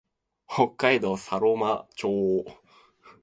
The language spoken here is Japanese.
北海道佐呂間町